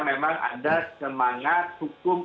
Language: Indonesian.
memang ada semangat hukum